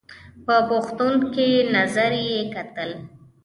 په پوښتونکي نظر یې کتل !